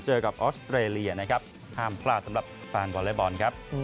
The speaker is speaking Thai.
เจอกับออสเตรเลียนะครับห้ามพลาดสำหรับแฟนวอเล็กบอลครับ